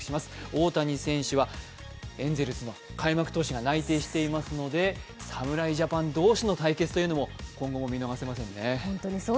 大谷選手はエンゼルスの開幕投手が内定していますので侍ジャパン同士の対決というのも今後も見逃せませんね。